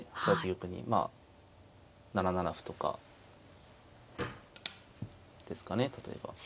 ８八玉に７七歩とかですかね例えば。